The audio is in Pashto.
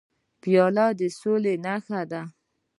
پیاله د سولې نښه ده.